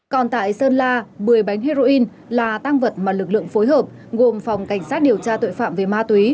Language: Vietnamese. còn tại sơn la một mươi bánh heroin là tăng vật mà lực lượng phối hợp gồm phòng cảnh sát điều tra tội phạm về ma túy